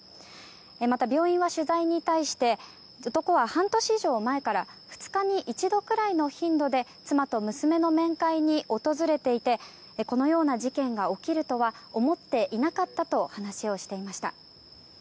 また病院は取材に対して男は半年以上前から２日に一度くらいの頻度で妻と娘の面会に訪れていてこのような事件が起きるとは思っていなかったと話をしていました。